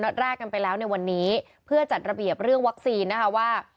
แรกกันไปแล้วในวันนี้เพื่อจัดระเบียบเรื่องวัคซีนนะคะว่า